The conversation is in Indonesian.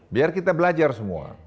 biar kita belajar semua